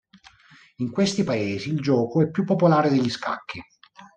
In questi paesi il gioco è più popolare degli scacchi.